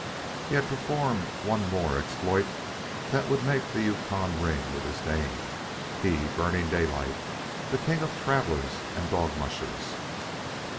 He had performed one more exploit that would make the Yukon ring with his name he, Burning Daylight, the king of travelers and dog mushers.